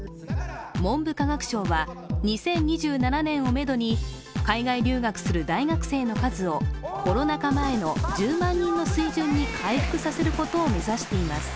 文部科学省は２０２７年をめどに海外留学する大学生の数をコロナ禍前の１０万人の水準に回復させることを目指しています。